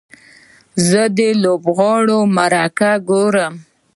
زه د لوبغاړو مرکه ګورم.